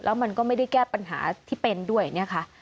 แล้วมันก็ไม่ได้แก้ปัญหาที่เป็นด้วยนะคะ